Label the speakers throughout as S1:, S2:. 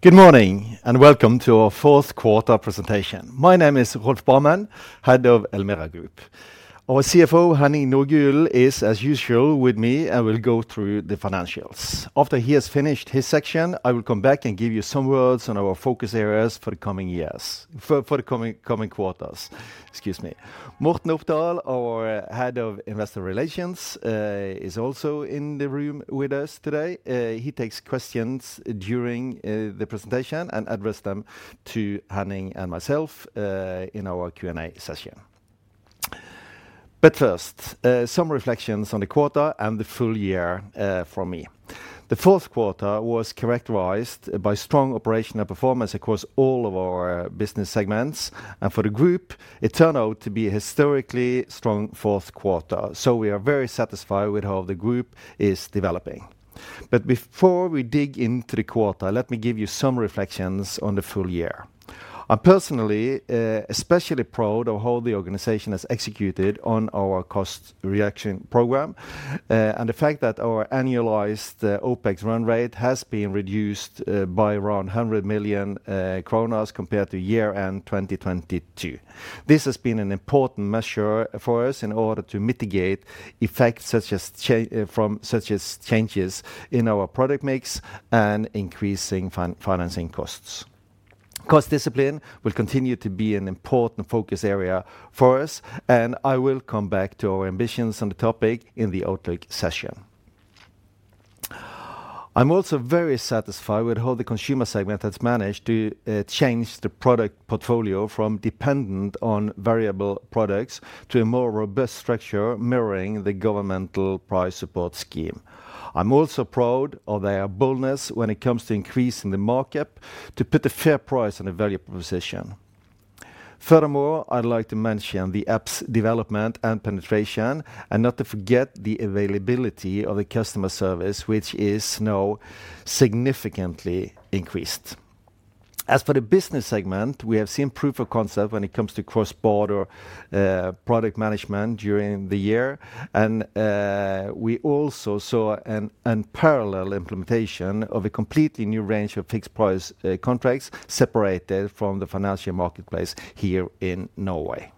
S1: Good morning, and welcome to our fourth quarter presentation. My name is Rolf Barmen, Head of Elmera Group. Our CFO, Henning Nordgulen, is, as usual, with me and will go through the financials. After he has finished his section, I will come back and give you some words on our focus areas for the coming years—for the coming quarters. Excuse me. Morten Opdal, our Head of Investor Relations, is also in the room with us today. He takes questions during the presentation and address them to Henning and myself in our Q&A session. But first, some reflections on the quarter and the full year, from me. The fourth quarter was characterized by strong operational performance across all of our business segments, and for the group, it turned out to be a historically strong fourth quarter. So we are very satisfied with how the group is developing. But before we dig into the quarter, let me give you some reflections on the full year. I'm personally, especially proud of how the organization has executed on our cost reduction program, and the fact that our annualized OpEx run rate has been reduced, by around 100 million, compared to year-end 2022. This has been an important measure for us in order to mitigate effects such as changes in our product mix and increasing financing costs. Cost discipline will continue to be an important focus area for us, and I will come back to our ambitions on the topic in the outlook session. I'm also very satisfied with how the consumer segment has managed to change the product portfolio from dependent on variable products to a more robust structure, mirroring the governmental price support scheme. I'm also proud of their boldness when it comes to increasing the market to put a fair price on the value proposition. Furthermore, I'd like to mention the app's development and penetration, and not to forget the availability of the customer service, which is now significantly increased. As for the business segment, we have seen proof of concept when it comes to cross-border product management during the year, and we also saw an unparalleled implementation of a completely new range of fixed price contracts separated from the financial marketplace here in Norway.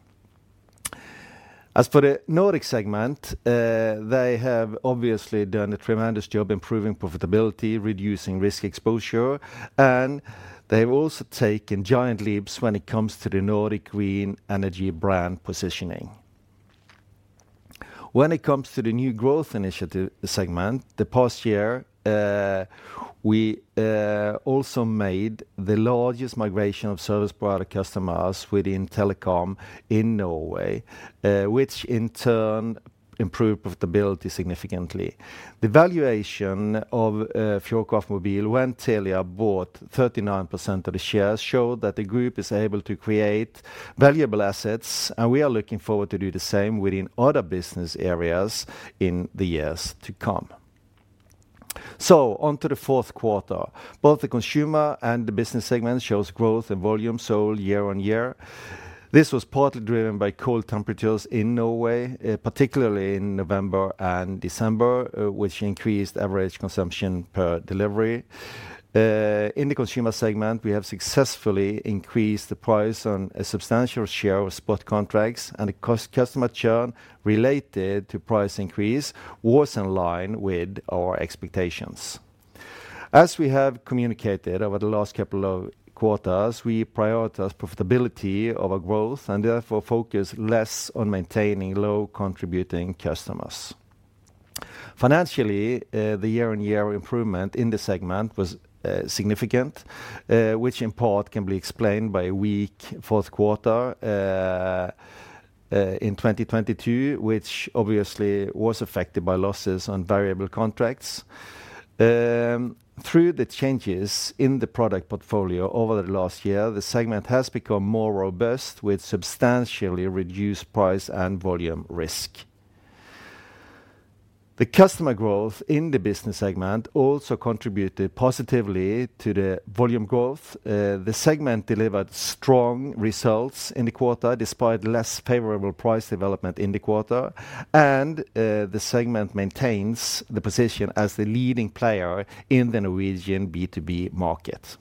S1: As for the Nordic segment, they have obviously done a tremendous job improving profitability, reducing risk exposure, and they've also taken giant leaps when it comes to the Nordic Green Energy brand positioning. When it comes to the new growth initiative segment, the past year, we also made the largest migration of service product customers within telecom in Norway, which in turn improved profitability significantly. The valuation of Fjordkraft Mobil when Telia bought 39% of the shares showed that the group is able to create valuable assets, and we are looking forward to do the same within other business areas in the years to come. So onto the fourth quarter. Both the consumer and the business segment shows growth and volume sold year-on-year. This was partly driven by cold temperatures in Norway, particularly in November and December, which increased average consumption per delivery. In the consumer segment, we have successfully increased the price on a substantial share of spot contracts, and the customer churn related to price increase was in line with our expectations. As we have communicated over the last couple of quarters, we prioritize profitability over growth and therefore focus less on maintaining low-contributing customers. Financially, the year-on-year improvement in the segment was significant, which in part can be explained by a weak fourth quarter in 2022, which obviously was affected by losses on variable contracts. Through the changes in the product portfolio over the last year, the segment has become more robust, with substantially reduced price and volume risk. The customer growth in the business segment also contributed positively to the volume growth. The segment delivered strong results in the quarter, despite less favorable price development in the quarter, and the segment maintains the position as the leading player in the Norwegian B2B market.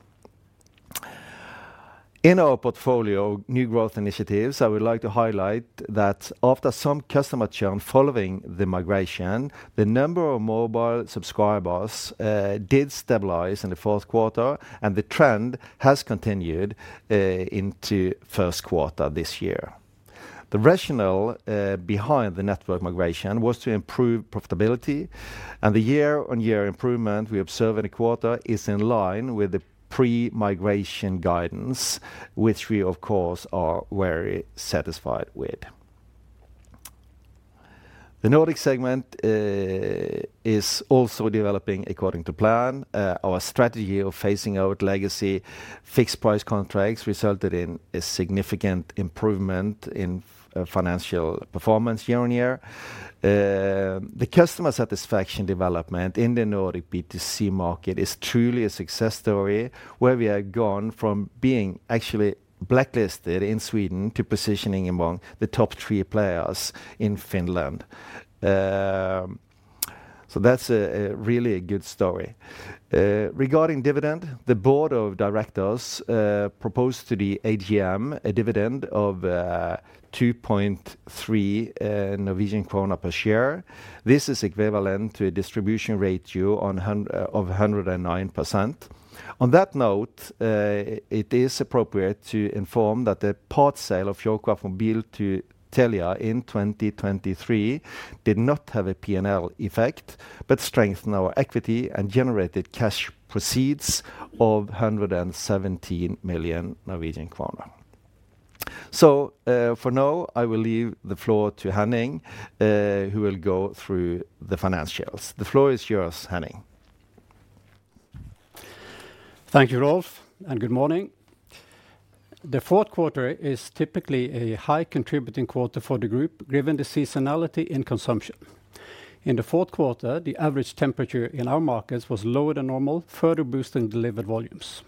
S1: In our portfolio, new growth initiatives, I would like to highlight that after some customer churn following the migration, the number of mobile subscribers did stabilize in the fourth quarter, and the trend has continued into first quarter this year. The rationale behind the network migration was to improve profitability, and the year-on-year improvement we observe in the quarter is in line with the pre-migration guidance, which we, of course, are very satisfied with. The Nordic segment is also developing according to plan. Our strategy of phasing out legacy fixed price contracts resulted in a significant improvement in financial performance year-on-year. The customer satisfaction development in the Nordic B2C market is truly a success story, where we have gone from being actually blacklisted in Sweden to positioning among the top three players in Finland. So that's a really good story. Regarding dividend, the board of directors proposed to the AGM a dividend of 2.3 Norwegian krone per share. This is equivalent to a distribution ratio of 109%. On that note, it is appropriate to inform that the part sale of Fjordkraft Mobil to Telia in 2023 did not have a P&L effect, but strengthened our equity and generated cash proceeds of 117 million. For now, I will leave the floor to Henning, who will go through the financials. The floor is yours, Henning.
S2: Thank you, Rolf, and good morning. The fourth quarter is typically a high-contributing quarter for the group, given the seasonality in consumption. In the fourth quarter, the average temperature in our markets was lower than normal, further boosting delivered volumes.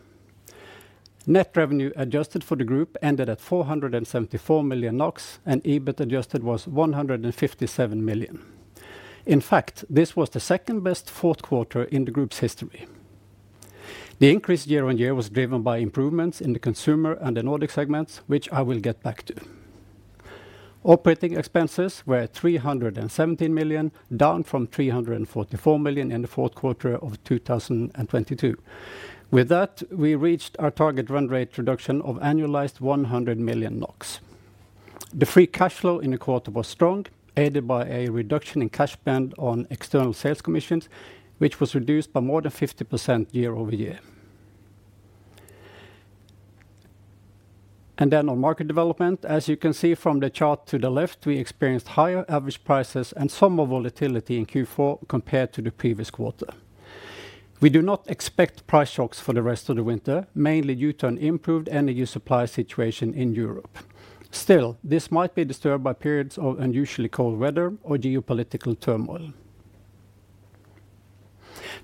S2: Net revenue adjusted for the group ended at 474 million NOK, and EBIT adjusted was 157 million. In fact, this was the second-best fourth quarter in the group's history. The increase year-on-year was driven by improvements in the consumer and the Nordic segments, which I will get back to. Operating expenses were 317 million, down from 344 million in the fourth quarter of 2022. With that, we reached our target run rate reduction of annualized 100 million NOK. The free cash flow in the quarter was strong, aided by a reduction in cash spend on external sales commissions, which was reduced by more than 50% year-over-year. On market development, as you can see from the chart to the left, we experienced higher average prices and some more volatility in Q4 compared to the previous quarter. We do not expect price shocks for the rest of the winter, mainly due to an improved energy supply situation in Europe. Still, this might be disturbed by periods of unusually cold weather or geopolitical turmoil.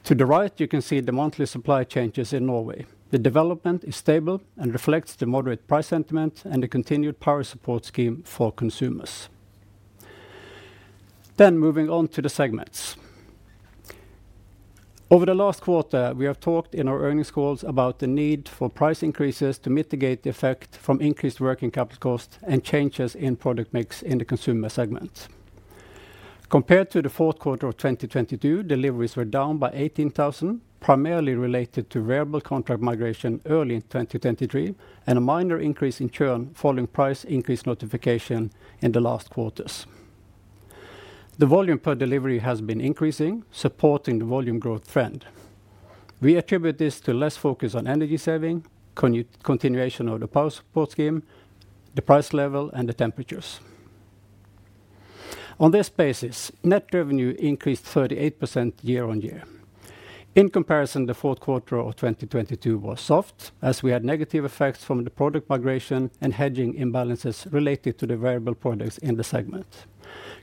S2: To the right, you can see the monthly supply changes in Norway. The development is stable and reflects the moderate price sentiment and the continued power support scheme for consumers. Moving on to the segments. Over the last quarter, we have talked in our earnings calls about the need for price increases to mitigate the effect from increased working capital costs and changes in product mix in the consumer segment. Compared to the fourth quarter of 2022, deliveries were down by 18,000, primarily related to variable contract migration early in 2023, and a minor increase in churn following price increase notification in the last quarters. The volume per delivery has been increasing, supporting the volume growth trend. We attribute this to less focus on energy saving, continuation of the power support scheme, the price level, and the temperatures. On this basis, net revenue increased 38% year-on-year. In comparison, the fourth quarter of 2022 was soft, as we had negative effects from the product migration and hedging imbalances related to the variable products in the segment.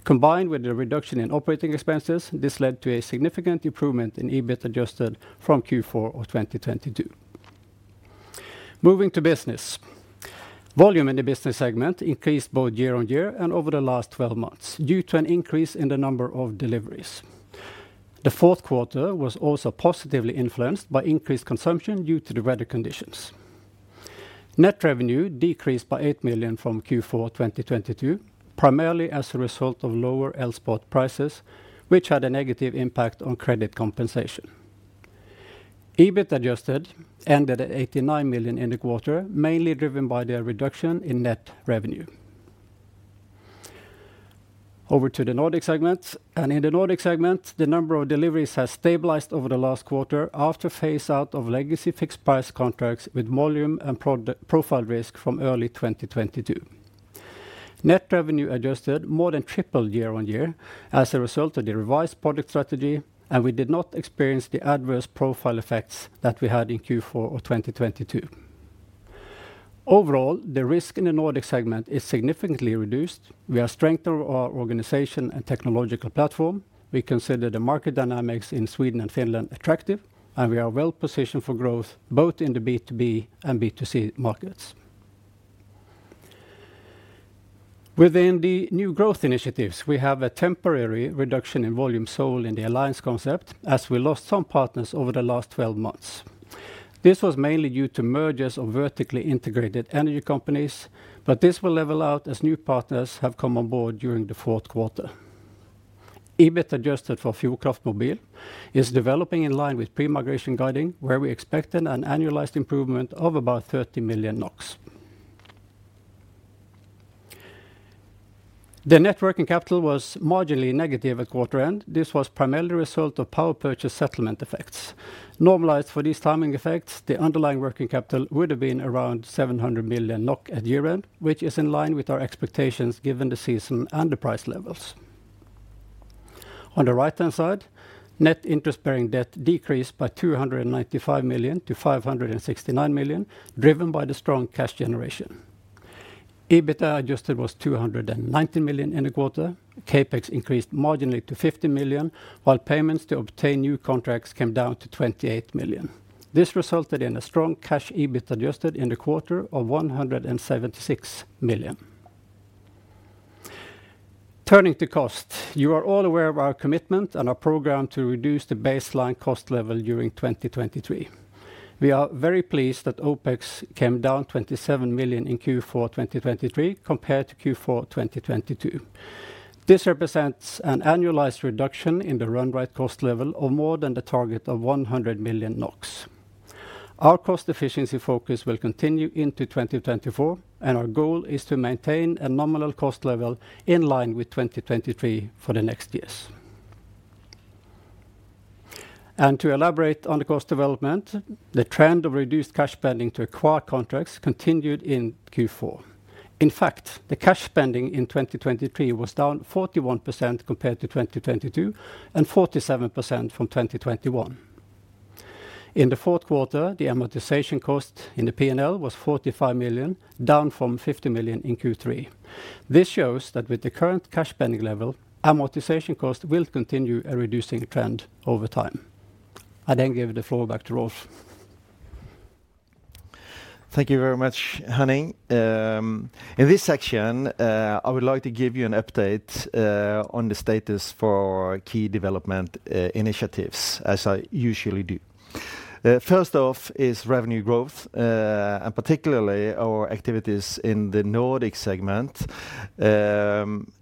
S2: Combined with the reduction in operating expenses, this led to a significant improvement in EBIT adjusted from Q4 of 2022. Moving to business. Volume in the business segment increased both year-on-year and over the last 12 months due to an increase in the number of deliveries. The fourth quarter was also positively influenced by increased consumption due to the weather conditions. Net revenue decreased by 8 million from Q4 2022, primarily as a result of lower Elspot prices, which had a negative impact on credit compensation. EBIT adjusted ended at 89 million in the quarter, mainly driven by the reduction in net revenue. Over to the Nordic segments, and in the Nordic segment, the number of deliveries has stabilized over the last quarter after phase-out of legacy fixed price contracts with volume and production profile risk from early 2022. Net revenue adjusted more than tripled year on year as a result of the revised product strategy, and we did not experience the adverse profile effects that we had in Q4 of 2022. Overall, the risk in the Nordic segment is significantly reduced. We have strengthened our organization and technological platform. We consider the market dynamics in Sweden and Finland attractive, and we are well positioned for growth, both in the B2B and B2C markets. Within the new growth initiatives, we have a temporary reduction in volume sold in the alliance concept, as we lost some partners over the last 12 months. This was mainly due to mergers of vertically integrated energy companies, but this will level out as new partners have come on board during the fourth quarter. EBIT adjusted for Fjordkraft Mobil is developing in line with pre-migration guiding, where we expected an annualized improvement of about 30 million NOK. The net working capital was marginally negative at quarter-end. This was primarily a result of power purchase settlement effects. Normalized for these timing effects, the underlying working capital would have been around 700 million NOK at year-end, which is in line with our expectations given the season and the price levels. On the right-hand side, net interest-bearing debt decreased by 295 million to 569 million, driven by the strong cash generation. EBIT adjusted was 290 million in the quarter. CapEx increased marginally to 50 million, while payments to obtain new contracts came down to 28 million. This resulted in a strong cash EBIT adjusted in the quarter of 176 million. Turning to cost. You are all aware of our commitment and our program to reduce the baseline cost level during 2023. We are very pleased that OpEx came down 27 million in Q4 2023 compared to Q4 2022. This represents an annualized reduction in the run rate cost level of more than the target of 100 million NOK. Our cost efficiency focus will continue into 2024, and our goal is to maintain a nominal cost level in line with 2023 for the next years. To elaborate on the cost development, the trend of reduced cash spending to acquire contracts continued in Q4. In fact, the cash spending in 2023 was down 41% compared to 2022, and 47% from 2021. In the fourth quarter, the amortization cost in the P&L was 45 million, down from 50 million in Q3. This shows that with the current cash spending level, amortization cost will continue a reducing trend over time. I then give the floor back to Rolf.
S1: Thank you very much, Henning. In this section, I would like to give you an update on the status for key development initiatives, as I usually do. First off is revenue growth, and particularly our activities in the Nordic segment.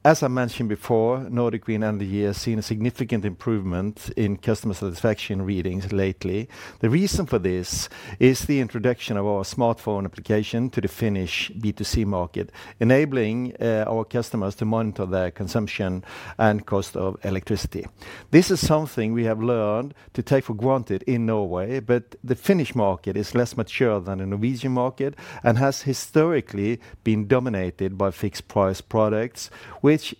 S1: As I mentioned before, Nordic Green Energy has seen a significant improvement in customer satisfaction readings lately. The reason for this is the introduction of our smartphone application to the Finnish B2C market, enabling our customers to monitor their consumption and cost of electricity. This is something we have learned to take for granted in Norway, but the Finnish market is less mature than the Norwegian market and has historically been dominated by fixed-price products, which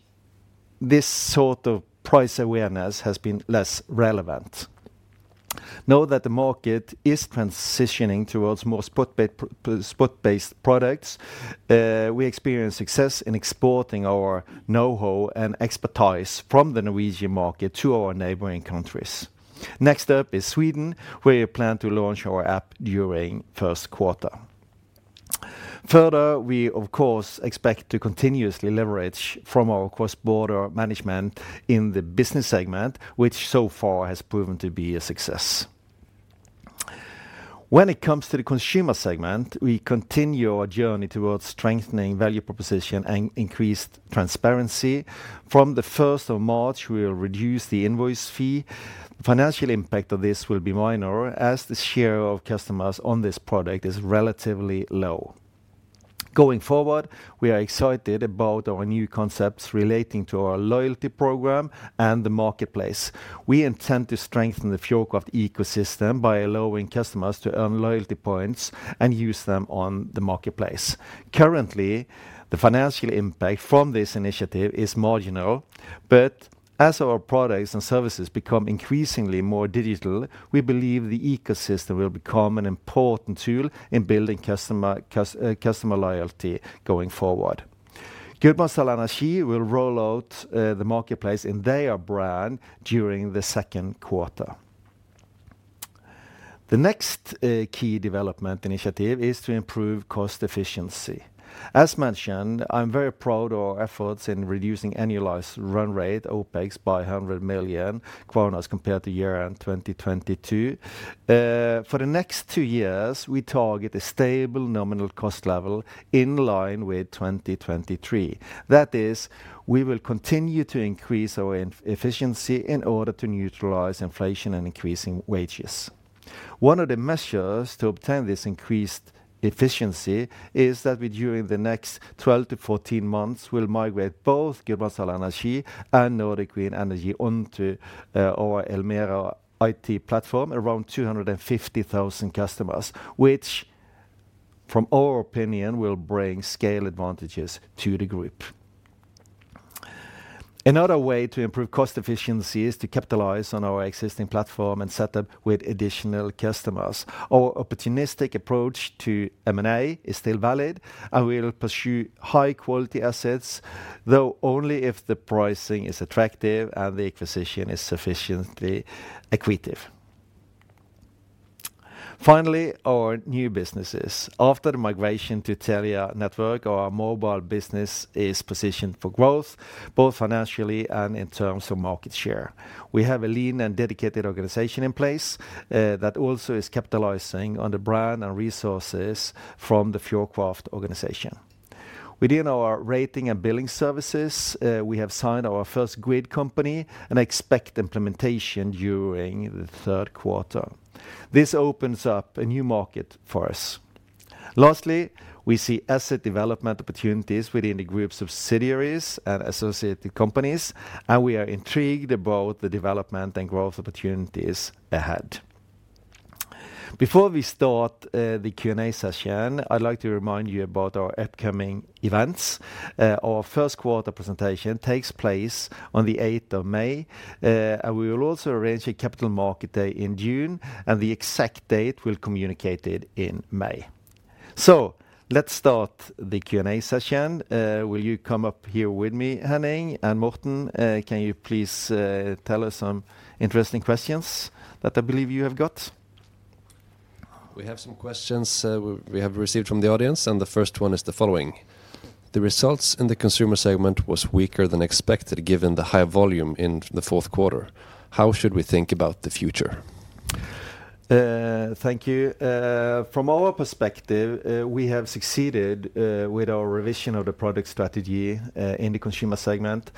S1: this sort of price awareness has been less relevant. Now that the market is transitioning towards more spot-based products, we experience success in exporting our know-how and expertise from the Norwegian market to our neighboring countries. Next up is Sweden, where we plan to launch our app during first quarter. Further, we of course expect to continuously leverage from our cross-border management in the business segment, which so far has proven to be a success. When it comes to the consumer segment, we continue our journey towards strengthening value proposition and increased transparency. From the first of March, we will reduce the invoice fee. Financial impact of this will be minor, as the share of customers on this product is relatively low. Going forward, we are excited about our new concepts relating to our loyalty program and the marketplace. We intend to strengthen the Fjordkraft ecosystem by allowing customers to earn loyalty points and use them on the marketplace. Currently, the financial impact from this initiative is marginal, but as our products and services become increasingly more digital, we believe the ecosystem will become an important tool in building customer loyalty going forward. Gudbrandsdal Energi will roll out the marketplace in their brand during the second quarter. The next key development initiative is to improve cost efficiency. As mentioned, I'm very proud of our efforts in reducing annualized run rate OpEx by 100 million kroner compared to year-end 2022. For the next two years, we target a stable nominal cost level in line with 2023. That is, we will continue to increase our efficiency in order to neutralize inflation and increasing wages. One of the measures to obtain this increased efficiency is that we, during the next 12-14 months, will migrate both Gudbrandsdal Energi and Nordic Green Energy onto our Elmera IT platform, around 250,000 customers, which, from our opinion, will bring scale advantages to the group. Another way to improve cost efficiency is to capitalize on our existing platform and set up with additional customers. Our opportunistic approach to M&A is still valid and will pursue high-quality assets, though only if the pricing is attractive and the acquisition is sufficiently accretive. Finally, our new businesses. After the migration to Telia network, our mobile business is positioned for growth, both financially and in terms of market share. We have a lean and dedicated organization in place that also is capitalizing on the brand and resources from the Fjordkraft organization. Within our rating and billing services, we have signed our first grid company and expect implementation during the third quarter. This opens up a new market for us. Lastly, we see asset development opportunities within the group's subsidiaries and associated companies, and we are intrigued about the development and growth opportunities ahead. Before we start the Q&A session, I'd like to remind you about our upcoming events. Our first quarter presentation takes place on the eighth of May. And we will also arrange a Capital Market Day in June, and the exact date we'll communicate it in May. So let's start the Q&A session. Will you come up here with me, Henning? And Morten, can you please tell us some interesting questions that I believe you have got? ...
S3: We have some questions, we have received from the audience, and the first one is the following: the results in the consumer segment was weaker than expected, given the high volume in the fourth quarter. How should we think about the future?
S1: Thank you. From our perspective, we have succeeded with our revision of the product strategy in the consumer segment.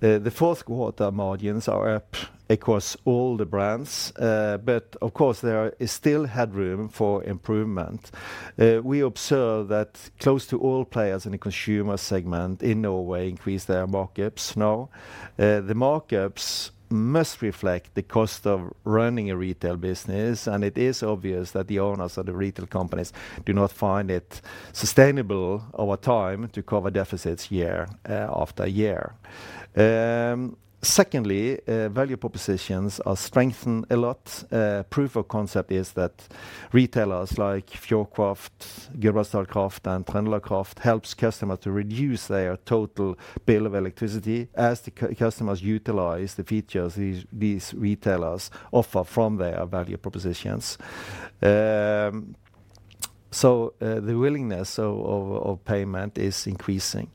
S1: The fourth quarter margins are up across all the brands, but of course, there is still room for improvement. We observe that close to all players in the consumer segment in Norway increase their markups now. The markups must reflect the cost of running a retail business, and it is obvious that the owners of the retail companies do not find it sustainable over time to cover deficits year after year. Secondly, value propositions are strengthened a lot. Proof of concept is that retailers like Fjordkraft, Gudbrandsdal Kraft, and Trøndelag Kraft helps customers to reduce their total bill of electricity as the customers utilize the features these retailers offer from their value propositions. So, the willingness of payment is increasing.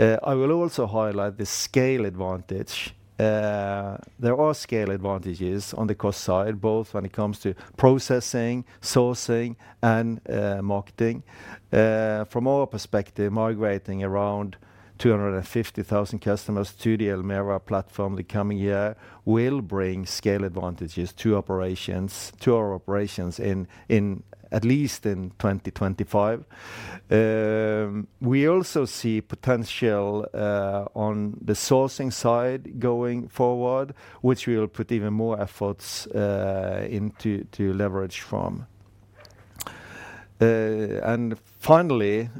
S1: I will also highlight the scale advantage. There are scale advantages on the cost side, both when it comes to processing, sourcing, and marketing. From our perspective, migrating around 250,000 customers to the Elmera platform the coming year will bring scale advantages to our operations in at least 2025. We also see potential on the sourcing side going forward, which we'll put even more efforts into to leverage from. And finally,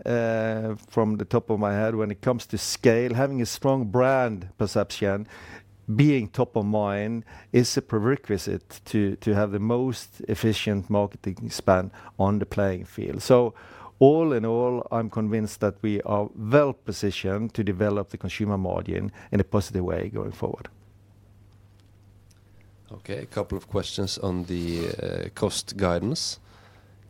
S1: from the top of my head, when it comes to scale, having a strong brand perception, being top of mind, is a prerequisite to have the most efficient marketing span on the playing field. All in all, I'm convinced that we are well positioned to develop the consumer margin in a positive way going forward.
S3: Okay, a couple of questions on the cost guidance.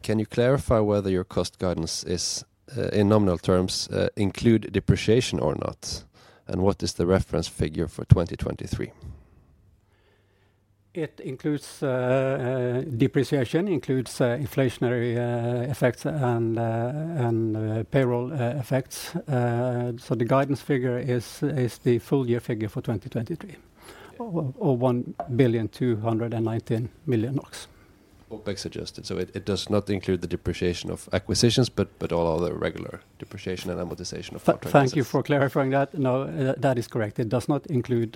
S3: Can you clarify whether your cost guidance is in nominal terms, include depreciation or not? And what is the reference figure for 2023?
S2: It includes depreciation, includes inflationary effects, and payroll effects. So the guidance figure is the full year figure for 2023-
S3: Yeah...
S2: or 1.219 billion.
S3: OpEx adjusted. So it does not include the depreciation of acquisitions, but all other regular depreciation and amortization of-
S2: Thank you for clarifying that. No, that is correct. It does not include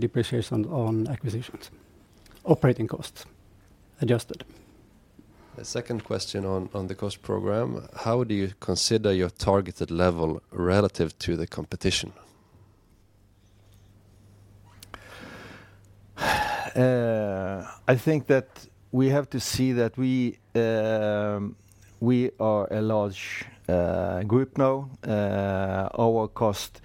S2: depreciation on acquisitions. Operating costs, adjusted.
S3: A second question on the cost program: How do you consider your targeted level relative to the competition?
S1: I think that we have to see that we are a large group now. Our costs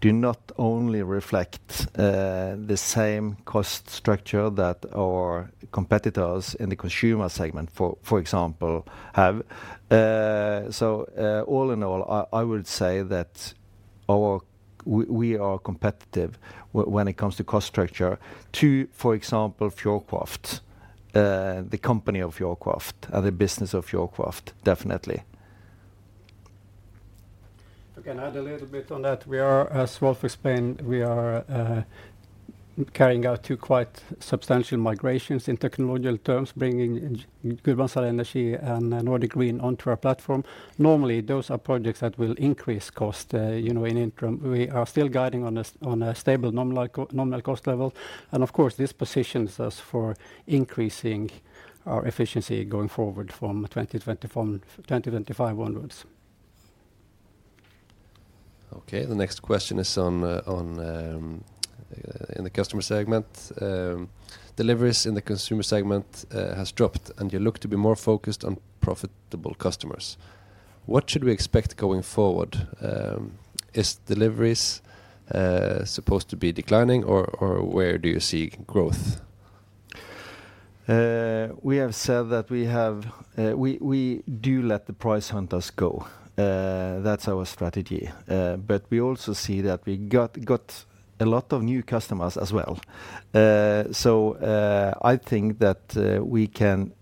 S1: do not only reflect the same cost structure that our competitors in the consumer segment, for example, have. So, all in all, I would say that our... We are competitive when it comes to cost structure, to, for example, Fjordkraft, the company of Fjordkraft, the business of Fjordkraft, definitely.
S2: I can add a little bit on that. We are, as Rolf explained, carrying out two quite substantial migrations in technological terms, bringing in Gudbrandsdal Energi and Nordic Green onto our platform. Normally, those are projects that will increase cost, you know, in interim. We are still guiding on a stable nominal cost level, and of course, this positions us for increasing our efficiency going forward from 2021, 2025 onwards.
S3: Okay, the next question is on in the customer segment. Deliveries in the consumer segment has dropped, and you look to be more focused on profitable customers. What should we expect going forward? Is deliveries supposed to be declining, or where do you see growth?
S1: We have said that we have, we do let the price hunters go. That's our strategy. But we also see that we got a lot of new customers as well. So, I think that we can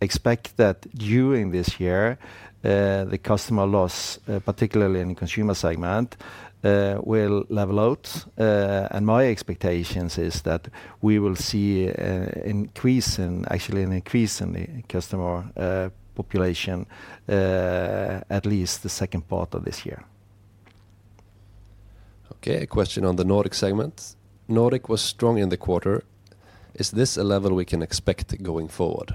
S1: expect that during this year, the customer loss, particularly in the consumer segment, will level out. And my expectations is that we will see, actually, an increase in the customer population, at least the second part of this year.
S3: Okay, a question on the Nordic segment. Nordic was strong in the quarter. Is this a level we can expect going forward?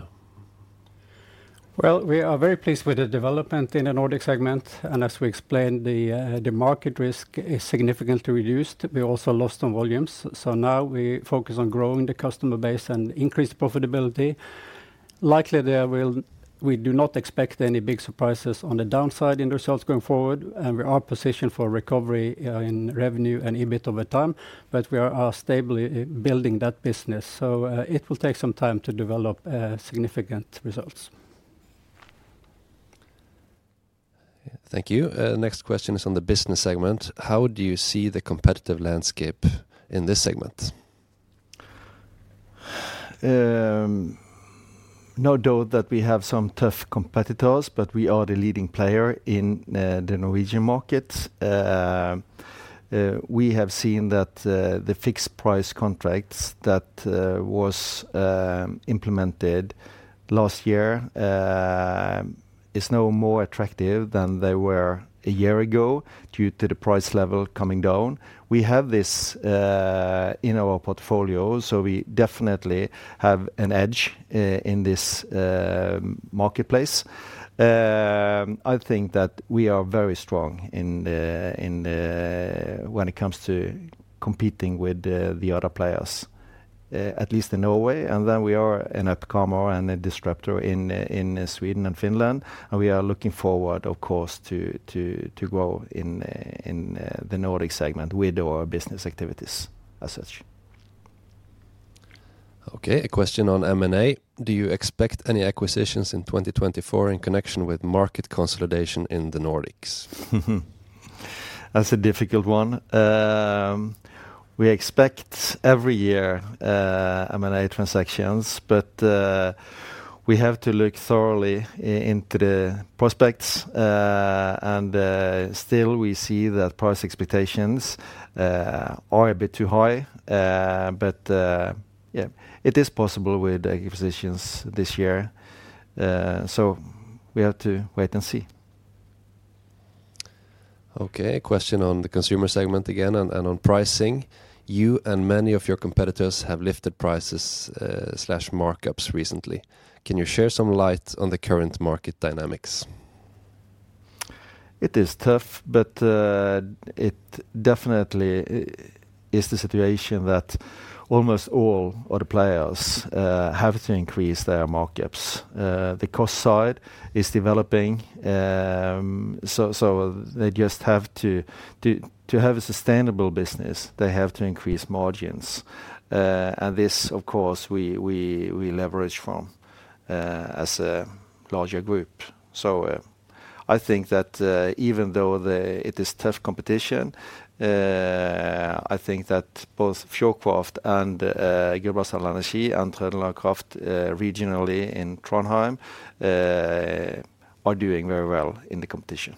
S2: Well, we are very pleased with the development in the Nordic segment, and as we explained, the, the market risk is significantly reduced. We also lost on volumes, so now we focus on growing the customer base and increase profitability. Likely, there will be- ...
S1: We do not expect any big surprises on the downside in the results going forward, and we are positioned for recovery in revenue and EBIT over time. But we are stably building that business, so it will take some time to develop significant results.
S3: Thank you. Next question is on the business segment. How do you see the competitive landscape in this segment?
S1: No doubt that we have some tough competitors, but we are the leading player in the Norwegian market. We have seen that the fixed-price contracts that was implemented last year is no more attractive than they were a year ago due to the price level coming down. We have this in our portfolio, so we definitely have an edge in this marketplace. I think that we are very strong when it comes to competing with the other players at least in Norway. And then we are an upcomer and a disruptor in Sweden and Finland, and we are looking forward, of course, to grow in the Nordic segment with our business activities as such.
S3: Okay, a question on M&A: Do you expect any acquisitions in 2024 in connection with market consolidation in the Nordics?
S1: That's a difficult one. We expect every year M&A transactions, but we have to look thoroughly into the prospects. And still, we see that price expectations are a bit too high. But yeah, it is possible with acquisitions this year, so we have to wait and see.
S3: Okay, a question on the consumer segment again and on pricing: You and many of your competitors have lifted prices, slash markups recently. Can you share some light on the current market dynamics?
S1: It is tough, but it definitely is the situation that almost all other players have to increase their markups. The cost side is developing, so they just have to have a sustainable business, they have to increase margins. And this, of course, we leverage from as a larger group. So I think that even though it is tough competition, I think that both Fjordkraft and Gudbrandsdal Energi and Trøndelag Kraft, regionally in Trondheim, are doing very well in the competition.